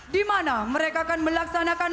dimana mereka akan melaksanakan